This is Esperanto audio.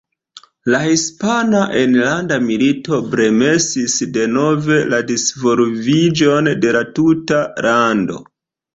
La Hispana Enlanda Milito bremsis denove la disvolviĝon de la tuta lando.